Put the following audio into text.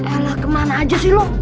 elah kemana aja sih lho